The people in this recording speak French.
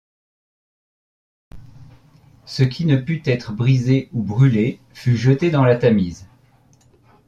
Ce qui ne put être brisé ou brûlé fut jeté dans la Tamise.